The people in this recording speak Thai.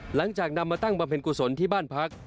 หลังจากนำมาตั้งบำเพ็ญกุศลที่บ้านพัก